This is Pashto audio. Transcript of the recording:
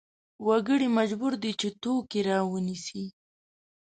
وګړي مجبور دي چې توکې راونیسي.